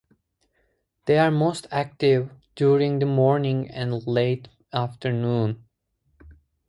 They are most active during the morning and late afternoon.